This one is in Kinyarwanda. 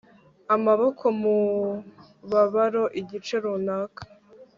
Amaboko mubabaro igice runaka